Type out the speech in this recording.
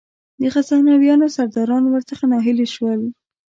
د غزنویانو سرداران ور څخه ناهیلي شول.